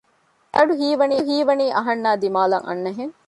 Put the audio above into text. އެ އަޑު ހީވަނީ އަހަންނާއި ދިމާލަށް އަންނަހެން